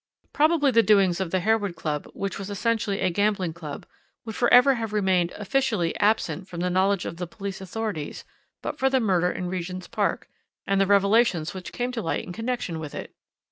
"Probably the doings of the Harewood Club, which was essentially a gambling club, would for ever have remained 'officially' absent from the knowledge of the police authorities but for the murder in the Regent's Park and the revelations which came to light in connection with it.